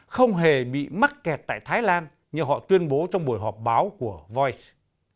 không hề bị mắc kẹt tại thái lan như họ tuyên bố trong buổi họp báo của voice